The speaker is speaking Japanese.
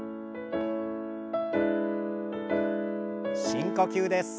深呼吸です。